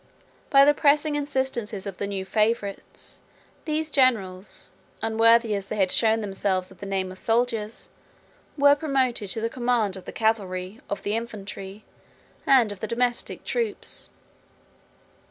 By the pressing instances of the new favorites, these generals, unworthy as they had shown themselves of the names of soldiers, 2 were promoted to the command of the cavalry, of the infantry, and of the domestic troops.